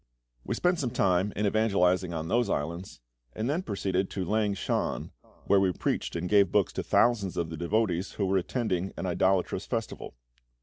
We spent some time in evangelising on those islands, and then proceeded to Lang shan, where we preached and gave books to thousands of the devotees who were attending an idolatrous festival.